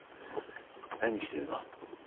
何してるの？